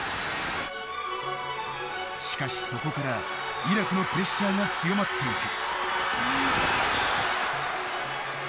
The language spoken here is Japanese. しかし、そこからイラクのプレッシャーが強まっていく。